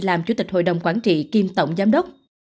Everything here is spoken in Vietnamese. làm chủ tịch hội đồng quản trị kiêm tổng giám đốc